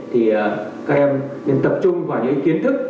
thì các em nên tập trung vào những kiến thức